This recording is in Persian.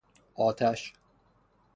آتش